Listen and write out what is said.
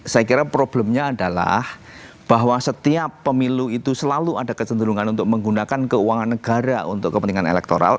saya kira problemnya adalah bahwa setiap pemilu itu selalu ada kecenderungan untuk menggunakan keuangan negara untuk kepentingan elektoral